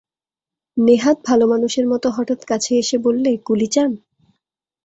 নেহাত ভালোমানুষের মতো হঠাৎ কাছে এসে বললে, কুলি চান?